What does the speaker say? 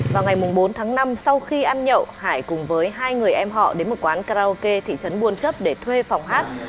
vào ngày bốn tháng năm sau khi ăn nhậu hải cùng với hai người em họ đến một quán karaoke thị trấn buôn chấp để thuê phòng hát